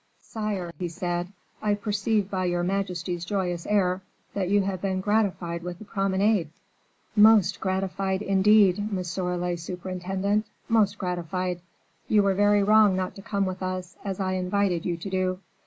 "Sire," he said, "I perceive by your majesty's joyous air that you have been gratified with the promenade." "Most gratified, indeed, monsieur le surintendant, most gratified. You were very wrong not to come with us, as I invited you to do."